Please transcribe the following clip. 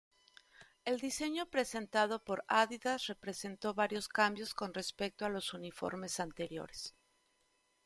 El diseño presentado por Adidas representó varios cambios con respecto a los uniformes anteriores.